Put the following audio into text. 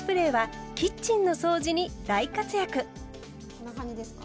こんな感じですか？